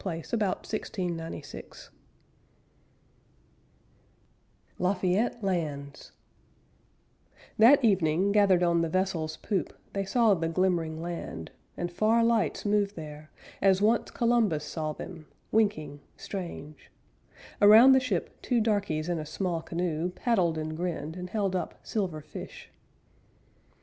LA FAYETTE LANDS That evening, gathered on the vessel's poop, They saw the glimmering land, And far lights moved there, As once Columbus saw them, winking, strange; Around the ship two darkies in a small canoe Paddled and grinned, and held up silver fish.